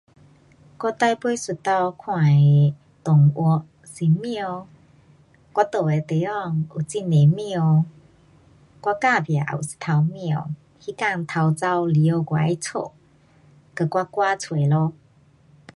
我最后一次看的动物是猫。我住的地方有很多猫。我隔壁也有一头猫。那天偷跑里内家里，被我赶出咯。